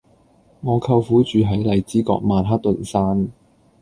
我舅父住喺荔枝角曼克頓山